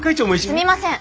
すみません。